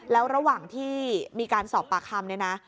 แล้วระหว่างที่มีการสอบปากคำเนี่ยนะ